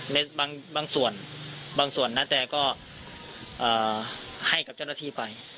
ในบางส่วนบางส่วนณแตก็ให้กับเจ้าหน้าที่ไป